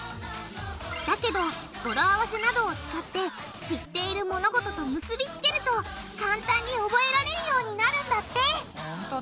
だけど語呂合わせなどを使って知っている物事と結び付けると簡単に覚えられるようになるんだってほんとだ。